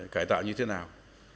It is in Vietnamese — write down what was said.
cải tạo như thế nào